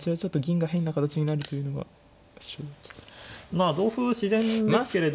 まあ同歩は自然ですけれど。